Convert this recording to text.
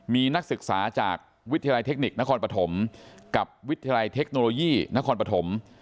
มีนักศึกษาจากวิทยาลัยเทคนิคนครปฐมกับวิทยาลัยเทคโนโลยีนครปฐม